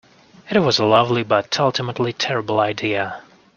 It was a lovely but ultimately terrible idea.